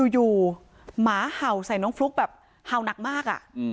อยู่หมาเห่าใส่น้องฟลุ๊กแบบเห่าหนักมาก